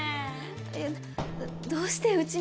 いやどどうしてうちに？